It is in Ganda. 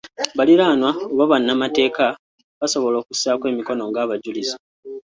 Baliraanwa oba bannamateeka basobola okussaako emikono ng’abajulizi.